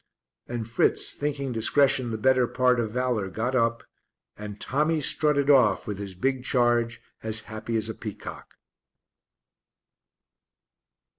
And Fritz, thinking discretion the better part of valour, got up, and Tommy strutted off with his big charge as happy as a peacock.